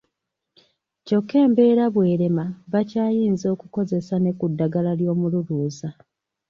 Kyokka embeera bw'erema bakyayinza okukozesa ne ku ddagala ly'omululuuza.